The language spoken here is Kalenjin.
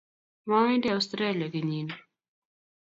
mowendi australia kenyini